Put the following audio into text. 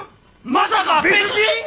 まさか別人！？